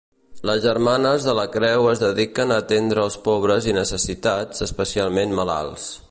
Les Germanes de la Creu es dediquen a atendre els pobres i necessitats, especialment malalts.